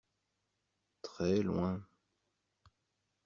Très loin.